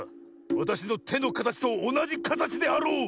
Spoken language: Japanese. わたしのてのかたちとおなじかたちであろう？